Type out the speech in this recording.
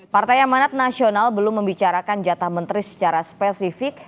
partai amanat nasional belum membicarakan jatah menteri secara spesifik